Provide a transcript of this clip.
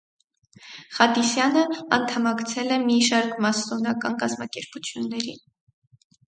Խատիսյանը անդամակցել է մի շարք մասսոնական կազմակերպություններին։